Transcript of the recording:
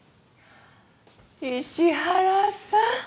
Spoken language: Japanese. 石原さん